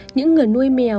những người nuôi mèo